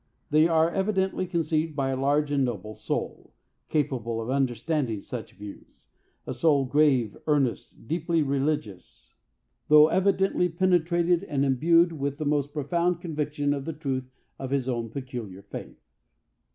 They are evidently conceived by a large and noble soul, capable of understanding such views,—a soul grave, earnest, deeply religious, though evidently penetrated and imbued with the most profound conviction of the truth of his own peculiar faith.